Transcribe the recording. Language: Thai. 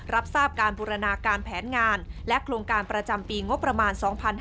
รับทราบการบูรณาการแผนงานและโครงการประจำปีงบประมาณ๒๕๕๙